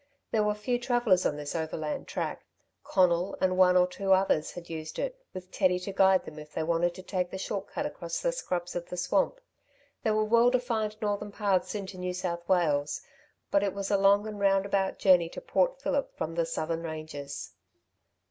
There were few travellers on this overland track. Conal and one or two others had used it, with Teddy to guide them if they wanted to take the short cut across the scrubs of the swamp. There were well defined northern paths into New South Wales: but it was a long and roundabout journey to Port Phillip from the southern ranges.